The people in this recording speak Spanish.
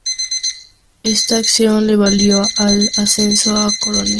Esta acción le valió el ascenso a coronel.